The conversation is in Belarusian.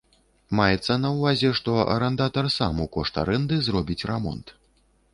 Маецца на ўвазе, што арандатар сам у кошт арэнды зробіць рамонт.